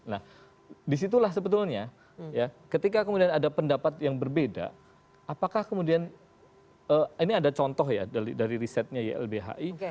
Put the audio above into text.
nah disitulah sebetulnya ya ketika kemudian ada pendapat yang berbeda apakah kemudian ini ada contoh ya dari risetnya ylbhi